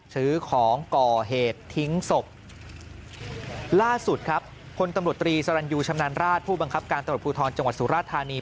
ซื้อของก่อเหตุทิ้งศพล่าสุดครับพลตำรวจตรีสรรยูชำนาญราชผู้บังคับการตำรวจภูทรจังหวัดสุราธานี